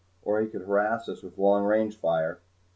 Or he could harass us with long range fire.